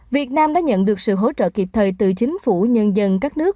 việt nam đã nhận được sự hỗ trợ kịp thời từ chính phủ nhân dân các nước